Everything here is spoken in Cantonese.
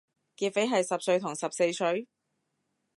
劫匪係十歲同十四歲？